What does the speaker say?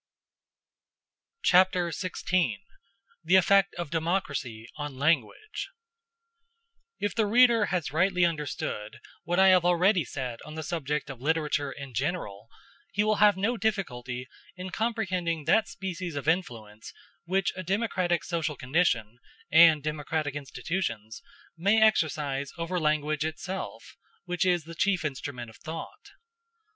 Chapter XVI: The Effect Of Democracy On Language If the reader has rightly understood what I have already said on the subject of literature in general, he will have no difficulty in comprehending that species of influence which a democratic social condition and democratic institutions may exercise over language itself, which is the chief instrument of thought.